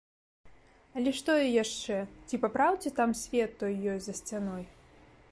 Але ж тое яшчэ, ці папраўдзе там свет той ёсць за сцяной?